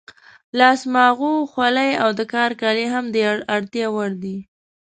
لاس ماغو، خولۍ او د کار کالي هم د اړتیا وړ دي.